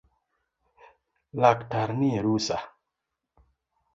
Laktar nie rusaa